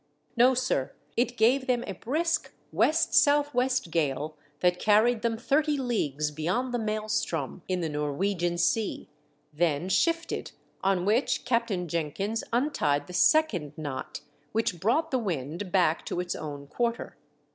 " No, sir. It gave them a brisk west south west gale that carried them thirty leagues beyond the maelstrom in the Norwegian 334 "^^^ DEATH SiilP. sea ; then shifted, on which Captain Jenkyns untied the second knot, which brought the wind back to its own quarter.